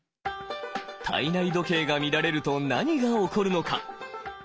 体内時計が乱れると何が起こるのか。